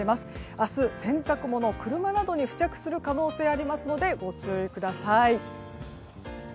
明日、洗濯物や車などに付着する可能性がありますのでご注意ください。